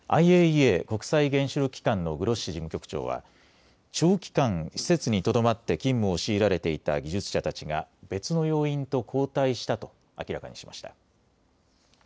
ＩＡＥＡ・国際原子力機関のグロッシ事務局長は長期間、施設にとどまって勤務を強いられていた技術者たちが別の要員と交代したと明らかにしました。